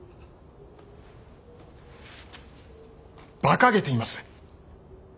ばかげています。